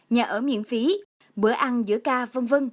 nhà ở miễn phí bữa ăn giữa ca v v